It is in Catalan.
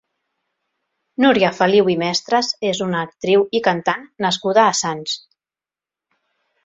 Núria Feliu i Mestres és una actriu i cantant nascuda a Sants.